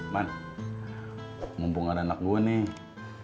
man mumpung ada anak gue nih